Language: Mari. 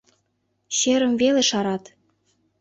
Черым веле шарат.